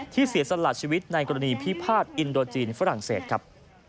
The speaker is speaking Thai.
เสียสละชีวิตในกรณีพิพาทอินโดจีนฝรั่งเศสครับ